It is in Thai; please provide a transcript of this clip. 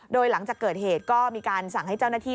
โดยหลังจากเกิดเหตุก็มีการสั่งให้เจ้าหน้าที่